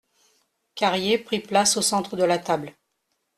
Carrier prit place au centre de la table.